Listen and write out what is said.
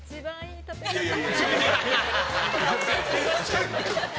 いやいや。